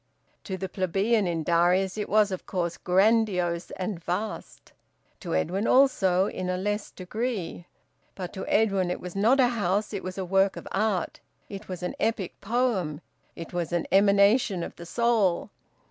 To the plebeian in Darius it was of course grandiose, and vast; to Edwin also, in a less degree. But to Edwin it was not a house, it was a work of art, it was an epic poem, it was an emanation of the soul.